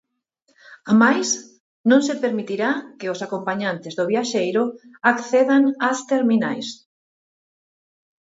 Amais, non se permitirá que os acompañantes do viaxeiro accedan ás terminais.